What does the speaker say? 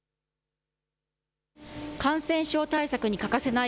感染症対策に欠かせない